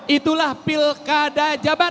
itulah pilkada jabar